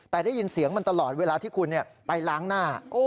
แต่ได้ยินเสียงมันตลอดเวลาที่คุณไปล้างหน้า